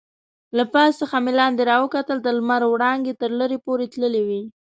له پاس څخه مې لاندې راوکتل، د لمر وړانګې تر لرې پورې تللې وې.